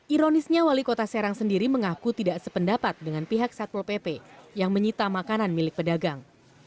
ironisnya wali kota serang sendiri mengaku tidak sependapat dengan pihak satpol pp yang menyita makanan milik pedagang